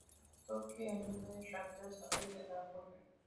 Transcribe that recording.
Factor que ayudó el rápido desarrollo de la urbe.